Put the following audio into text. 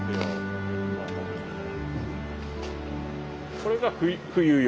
これが冬用？